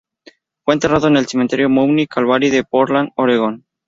Fue enterrado en el Cementerio Mount Calvary de Portland, Oregón.